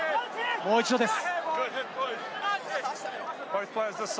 もう一度です。